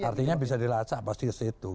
artinya bisa dilacak pasti ke situ